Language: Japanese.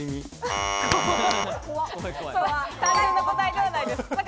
単純な答えではないです。